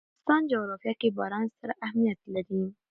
د افغانستان جغرافیه کې باران ستر اهمیت لري.